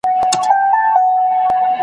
ترې چاپېر د لويي وني وه ښاخونه .